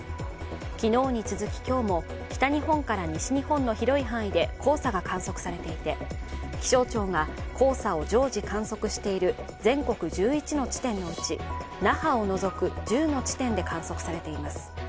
昨日に続き、今日も北日本から西日本の広い範囲で黄砂が観測されていて、気象庁が黄砂を常時観測している全国１１の地点のうち那覇を除く１０の地点で観測されています。